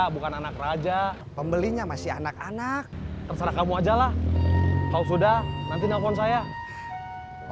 bukan anak raja pembelinya masih anak anak terserah kamu ajalah kau sudah nanti nelfon saya oke